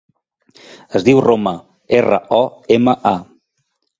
Es diu Roma: erra, o, ema, a.